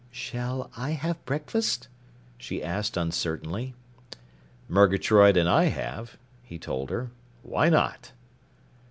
"Shall I have breakfast?" she asked uncertainly. "Murgatroyd and I have," he told her. "Why not?"